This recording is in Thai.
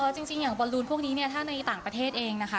จริงอย่างบอลลูนพวกนี้เนี่ยถ้าในต่างประเทศเองนะคะ